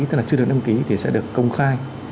tức là chưa được đăng ký thì sẽ được công khai